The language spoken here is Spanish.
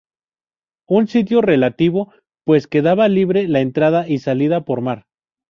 Un sitio relativo pues quedaba libre la entrada y salida por mar.